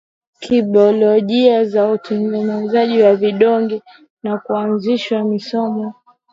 kibiolojia za utengenezaji wa vidonge na kuanzishwa misombo